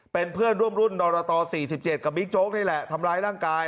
เป็นเพื่อนร่วมรุ่นนรต๔๗กับบิ๊กโจ๊กนี่แหละทำร้ายร่างกาย